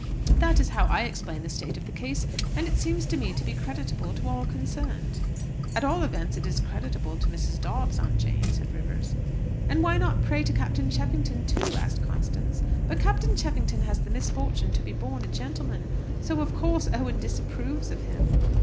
That is how I explain the state of the case; and it seems to me to be creditable to all concerned." "At all events, it is creditable to Mrs. Dobbs, Aunt Jane," said Rivers. "And why not, pray, to Captain Cheffington too?" asked Constance. "But Captain Cheffington has the misfortune to be born a gentleman, so, of course, Owen disapproves of him."